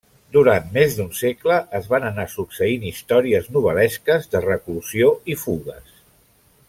Durant més d'un segle es van anar succeint històries novel·lesques de reclusió i fugues.